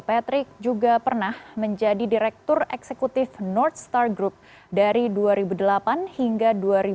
patrick juga pernah menjadi direktur eksekutif north star group dari dua ribu delapan hingga dua ribu dua puluh